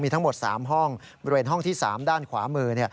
ทั้งหมด๓ห้องบริเวณห้องที่๓ด้านขวามือ